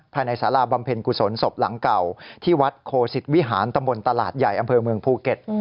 ภายในสาราบำเพ็ญกุศลศพหลังเก่าที่วัดโคสิตวิหารตำบลตลาดใหญ่อำเภอเมืองภูเก็ต